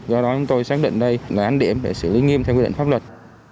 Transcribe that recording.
do đó chúng tôi xác định đây là án điểm để xử lý nghiêm theo quy định pháp luật